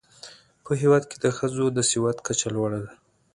په هېواد کې د ښځو د سواد کچه لوړه ده.